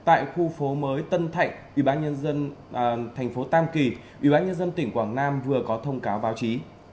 tại khu phố mới tân thạnh ủy ban nhân dân tp tam kỳ ủy ban nhân dân tỉnh quảng nam vừa có thông cáo báo chí